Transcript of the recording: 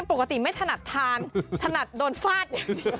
ปกติไม่ถนัดทานถนัดโดนฟาด